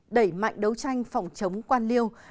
đẩy mạnh đấu tranh phòng chống quân liêu